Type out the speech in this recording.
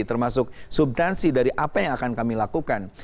termasuk subtansi dari apa yang akan kami lakukan